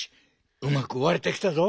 うまくわれてきたぞ。